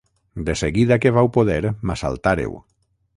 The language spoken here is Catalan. De seguida que vau poder m'assaltàreu.